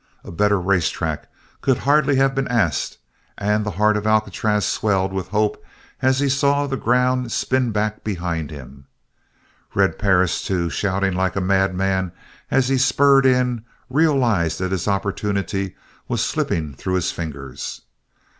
A better race track could hardly have been asked and the heart of Alcatraz swelled with hope as he saw the ground spin back behind him. Red Perris, too, shouting like a mad man as he spurred in, realized that his opportunity was slipping through his fingers.